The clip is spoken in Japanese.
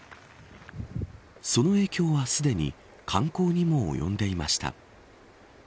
その影響はすでに観光にも及んでいました。